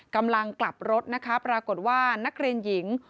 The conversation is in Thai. กำลังกลับรถนะคะปรากฏว่านักเรียนหญิง